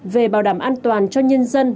về bảo đảm an toàn cho nhân dân